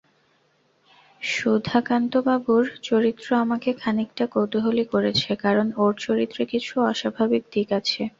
সুধাকান্তবাবুর চরিত্র আমাকে খানিকটা কৌতূহলী করেছে, কারণ ওর চরিত্রে কিছু অস্বাভাবিক দিক আছে।